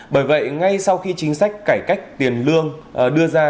bởi vậy ngay sau khi chính sách cải cách tiền lương đưa ra